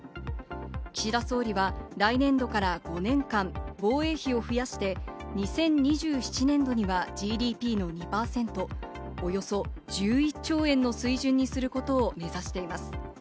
岸田総理は来年度から５年間、防衛費を増やして、２０２７年度にはＧＤＰの２％、およそ１１兆円の水準にすることを目指しています。